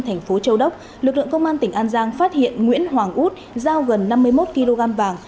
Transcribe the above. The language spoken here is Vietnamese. thành phố châu đốc lực lượng công an tỉnh an giang phát hiện nguyễn hoàng út giao gần năm mươi một kg vàng